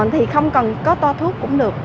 thì không cần có toa thuốc cũng được